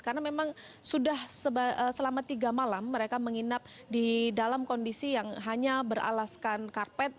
karena memang sudah selama tiga malam mereka menginap di dalam kondisi yang hanya beralaskan karpas